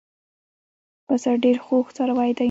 پسه ډېر خوږ څاروی دی.